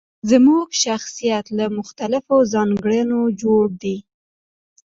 زموږ شخصيت له مختلفو ځانګړنو جوړ دی.